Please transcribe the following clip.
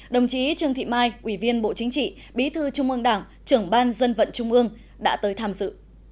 đồng chí trương thị mai ủy viên bộ chính trị bí thư trung ương đảng trưởng ban dân vận trung ương đã tới tham dự